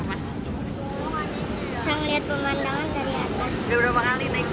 saya melihat pemandangan dari atas